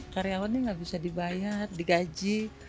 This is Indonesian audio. karyawannya nggak bisa dibayar digaji